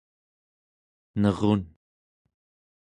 nerun